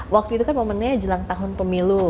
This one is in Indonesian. waktu itu kan momennya jelang tahun pemilu